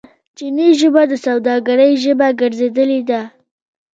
چیني ژبه د سوداګرۍ ژبه ګرځیدلې ده.